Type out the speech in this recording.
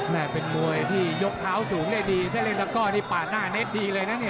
แม่เป็นมวยที่ยกเท้าสูงได้ดีถ้าเล่นละก็นี่ผ่านหน้าเน็ตดีเลยนะ